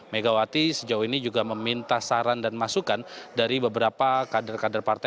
megawati sejauh ini juga meminta saran dan masukan dari beberapa kader kader partai